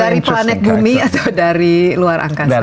dari planet bumi atau dari luar angkasa